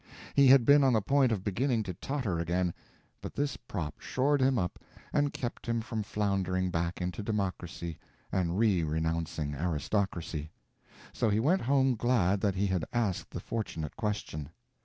He had been on the point of beginning to totter again, but this prop shored him up and kept him from floundering back into democracy and re renouncing aristocracy. So he went home glad that he had asked the fortunate question.